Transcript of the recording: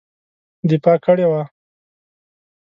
دفاع کړې وه.